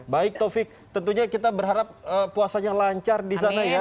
baik taufik tentunya kita berharap puasanya lancar di sana ya